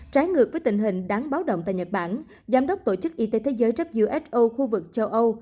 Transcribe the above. trái ngược với tình hình đáng báo động tại nhật bản giám đốc tổ chức y tế thế giới who khu vực châu âu